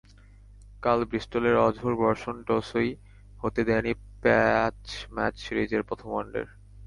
কাল ব্রিস্টলের অঝোর বর্ষণ টসই হতে দেয়নি পাঁচ ম্যাচ সিরিজের প্রথম ওয়ানডের।